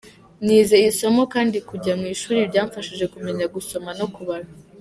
Nize isomo kandi kujya mu ishuri byamfashije kumenya gusoma no kubara.